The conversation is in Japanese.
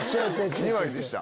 ２割でした。